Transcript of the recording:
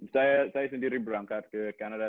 saya sendiri berangkat ke kanada